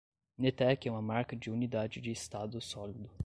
Netek é uma marca de unidade de estado sólido